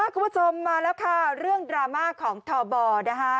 คุณผู้ชมมาแล้วค่ะเรื่องดราม่าของทบนะคะ